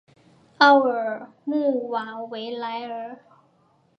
奥尔穆瓦维莱尔。